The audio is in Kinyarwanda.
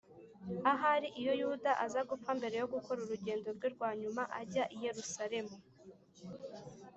ahari iyo yuda aza gupfa mbere yo gukora urugendo rwe rwa nyuma ajya i yerusalemu,